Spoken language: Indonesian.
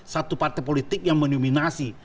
satu partai politik yang meniminasi